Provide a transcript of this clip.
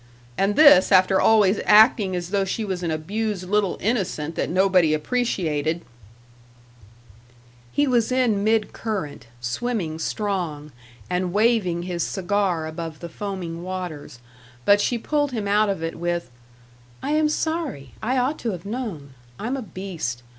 And this after always acting as though she was an abused little innocent that nobody appreciated " He was in mid current, swimming strong, and waving his cigar above the foaming waters, but she pulled him out of it with, "I am sorry. I ought to have known. I'm a beast.